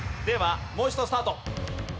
ではもう一度スタート。